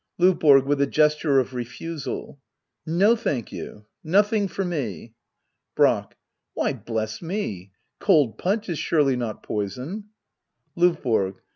L5VBORO. [Wiih a gesture of refusal,] No, thank you. Nothing for me. Brack. Why bless me — cold punch is surely not poison. L&VBORO.